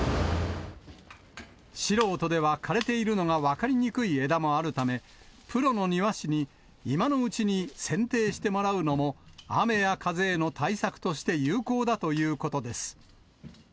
素人では枯れているのが分かりにくい枝もあるため、プロの庭師に今のうちにせんていしてもらうのも、雨や風への対策として有効だということです。